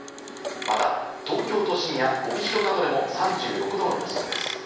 また、東京都心や帯広などでも３６度の予想です。